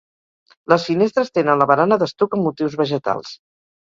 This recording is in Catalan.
Les finestres tenen la barana d'estuc amb motius vegetals.